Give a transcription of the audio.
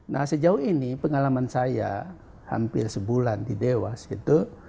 nah sejauh ini pengalaman saya hampir sebulan di dewas gitu